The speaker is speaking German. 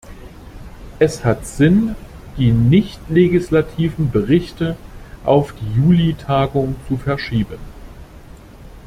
Es hat Sinn, die nichtlegislativen Berichte auf die Juli-Tagung zu verschieben.